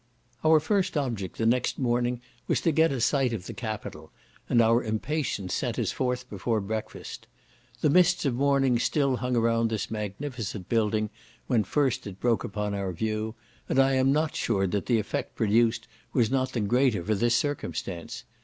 Our first object the next morning was to get a sight of the capitol, and our impatience sent us forth before breakfast. The mists of morning still hung around this magnificent building when first it broke upon our view, and I am not sure that the effect produced was not the greater for this circumstance.